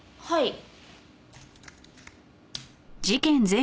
はい。